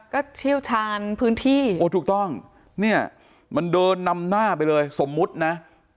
ก็เชี่ยวชาญพื้นที่โอ้ถูกต้องเนี่ยมันเดินนำหน้าไปเลยสมมุตินะ